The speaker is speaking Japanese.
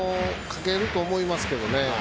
かけると思いますけどね。